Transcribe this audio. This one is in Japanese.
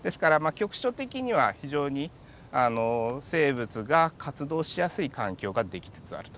局所的には非常に生物が活動しやすい環境が出来つつあると。